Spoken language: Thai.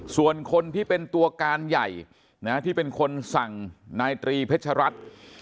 ส่วนคนที่เป็นตัวการใหญ่ที่เป็นคนสั่งนายตรีเพชรัตน์